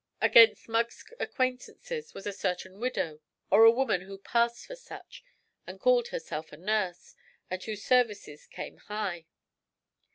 Among Smug's acquaintances was a certain widow, or a woman who passed for such, who called herself a nurse, and whose services 'came high.'